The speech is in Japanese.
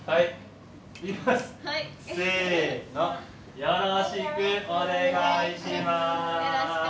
よろしくお願いします。